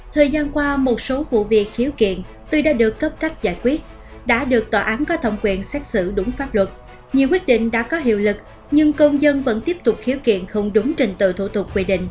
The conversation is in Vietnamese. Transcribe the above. thời gian qua một số vụ việc khiếu kiện tuy đã được cấp cách giải quyết đã được tòa án có thẩm quyền xét xử đúng pháp luật nhiều quyết định đã có hiệu lực nhưng công dân vẫn tiếp tục khiếu kiện không đúng trình tự thủ tục quy định